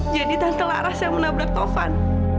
jadi tante laras yang menabrak paufan